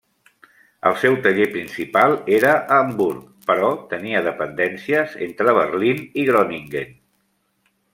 El seu taller principal era a Hamburg, però tenia dependències entre Berlín i Groningen.